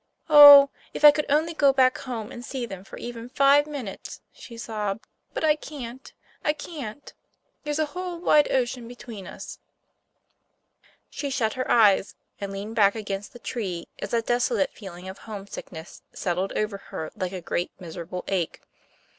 Oh, if I could only go back home and see them for even five minutes," she sobbed, "but I can't! I can't! There's a whole wide ocean between us!" She shut her eyes, and leaned back against the tree as that desolate feeling of homesickness settled over her like a great miserable ache.